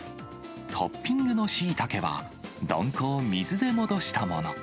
トッピングのシイタケは、どんこを水で戻したもの。